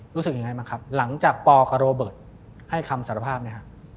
รู้สึกยังไงบ้างครับหลังจากปกับโรเบิร์ตให้คำสารภาพเนี่ยฮะ